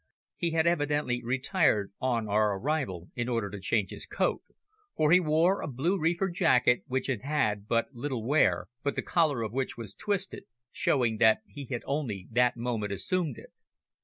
He had evidently retired on our arrival in order to change his coat, for he wore a blue reefer jacket which had had but little wear, but the collar of which was twisted, showing that he had only that moment assumed it.